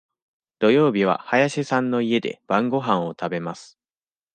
土曜日は林さんの家で晩ごはんを食べます。